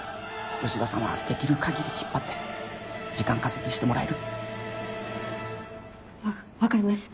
吉沢さんはできる限り引っ張って時間稼ぎしてもらえる？わ分かりました